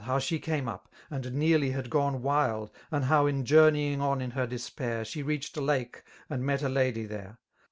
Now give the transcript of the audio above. How she came up, and nearly had gone wild. And how in journeying on in her d^pair. She reached a lake and met a lady there.